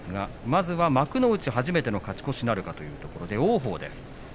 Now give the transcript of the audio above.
まず幕内初めての勝ち越しなるかというところで王鵬です。